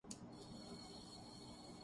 ضرور۔